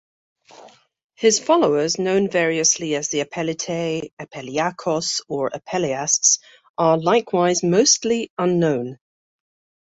His followers, known variously as the Apellitae, Apelliacos or Apelleasts, are likewise mostly unknown.